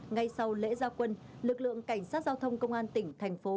ngay sau lễ gia quân lực lượng cảnh sát giao thông công an tỉnh thành phố